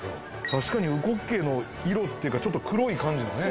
確かに烏骨鶏の色っていうかちょっと黒い感じのね